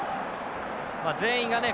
全員がね